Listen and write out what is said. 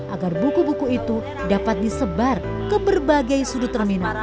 agar buku buku itu dapat disebar ke berbagai sudut terminal